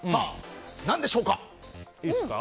何でしょうか。